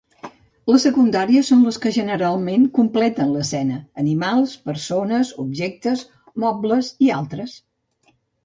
Les secundàries són les que generalment completen l’escena; animals, persones, objectes, mobles i altres.